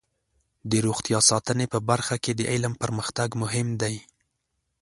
د روغتیا ساتنې په برخه کې د علم پرمختګ مهم دی.